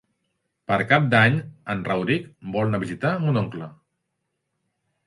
Per Cap d'Any en Rauric vol anar a visitar mon oncle.